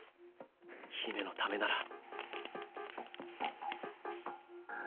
姫のためなら。